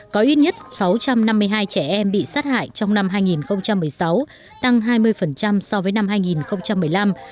có ít nhất sáu trăm năm mươi hai trẻ em bị sát hại trong năm hai nghìn một mươi sáu tăng hai mươi so với năm hai nghìn một mươi năm